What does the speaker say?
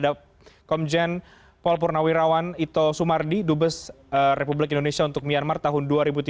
dan ada komjen paul purnawirawan ito sumardi dubes republik indonesia untuk myanmar tahun dua ribu tiga belas dua ribu delapan belas